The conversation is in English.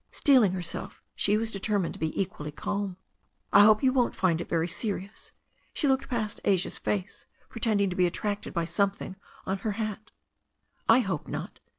Steeling herself, she determined to be equally calm. "I hope you won't find it very serious." She looked past Asia's face, pretending to be attracted by something on her hat. "I hope not."